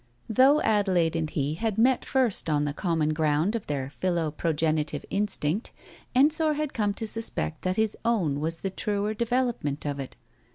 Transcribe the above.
Though Adelaide and he had met first on the common ground of their philoprogenitive instinct, Ensor had come t.o suspect that his own was the truer development of it.